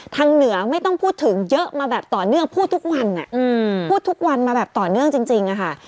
เหนือไม่ต้องพูดถึงเยอะมาแบบต่อเนื่องพูดทุกวันพูดทุกวันมาแบบต่อเนื่องจริงอะค่ะ